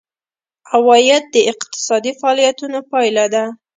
عواید د اقتصادي فعالیتونو پایله ده.